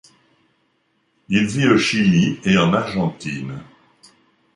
Il vit au Chili et en Argentine.